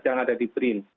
yang ada di brin